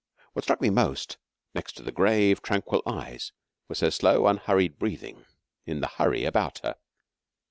What struck me most, next to the grave, tranquil eyes, was her slow, unhurried breathing in the hurry about her.